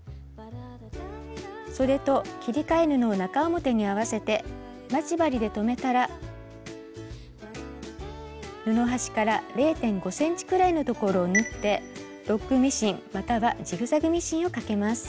そでと切り替え布を中表に合わせて待ち針で留めたら布端から０．５ｃｍくらいのところを縫ってロックミシンまたはジグザグミシンをかけます。